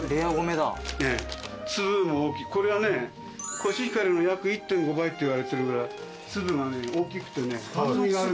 コシヒカリの約１．５倍っていわれてるぐらい粒が大きくてね厚みがある。